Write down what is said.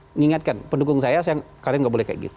mengingatkan pendukung saya kalian nggak boleh kayak gitu